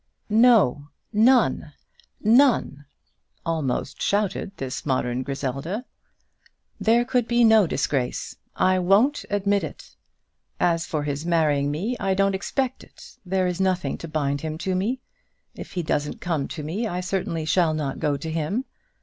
"No, none none!" almost shouted this modern Griselda. "There could be no disgrace. I won't admit it. As for his marrying me, I don't expect it. There is nothing to bind him to me. If he doesn't come to me I certainly shall not go to him.